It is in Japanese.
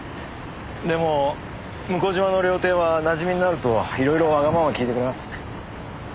でも向島の料亭はなじみになるといろいろわがままを聞いてくれます。